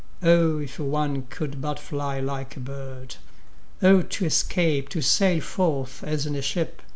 O if one could but fly like a bird! O to escape, to sail forth as in a ship!